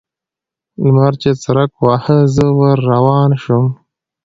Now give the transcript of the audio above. لمر چې څرک واهه؛ زه ور روان شوم.